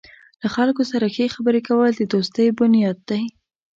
له خلکو سره ښې خبرې کول د دوستۍ بنیاد دی.